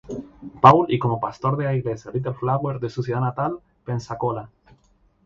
Paul y como pastor de la Iglesia Little Flower de su ciudad natal "Pensacola".